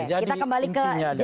jadi intinya ada